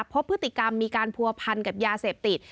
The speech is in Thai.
พบพฤติกรรมมีการผัวพันกับยาเสพติด